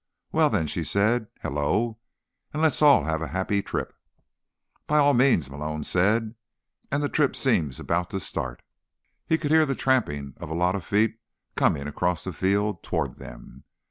"Well, then," she said. "Hello. And let's all have a happy trip." "By all means," Malone said. "And the trip seems to be about to start." He could hear the tramping of a lot of feet coming across the field toward them.